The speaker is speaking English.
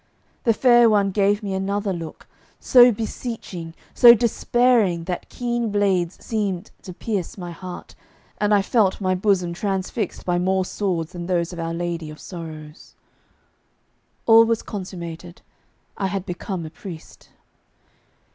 The fair one gave me another look, so beseeching, so despairing that keen blades seemed to pierce my heart, and I felt my bosom transfixed by more swords than those of Our Lady of Sorrows. All was consummated; I had become a priest.